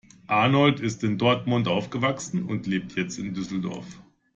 Arnold ist in Dortmund aufgewachsen und lebt jetzt in Düsseldorf.